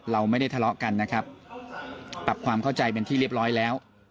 เราไม่ได้ทะเลาะกันนะครับปรับความเข้าใจเป็นที่เรียบร้อยแล้ว